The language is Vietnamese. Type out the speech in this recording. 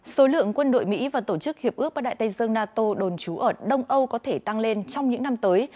số lượng quân đội mỹ và tổ chức hiệp ước bắc đại tây dương nato đồn trú ở đông âu có thể tăng lên trong những năm tới